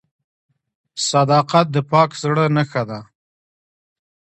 • صداقت د پاک زړه نښه ده.